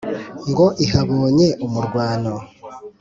Ngo ihabonye umurwano.